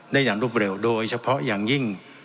อย่างรวดเร็วโดยเฉพาะอย่างยิ่ง